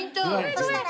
そしたら。